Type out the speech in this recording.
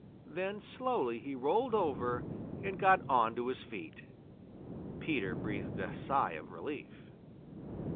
Then slowly he rolled over and got on to his feet. Peter breathed a sigh of relief.